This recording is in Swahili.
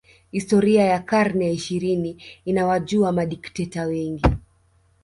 Historia ya karne ya ishirini inawajua madikteta wengi